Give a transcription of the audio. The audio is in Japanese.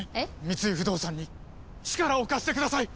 三井不動産に力を貸してください！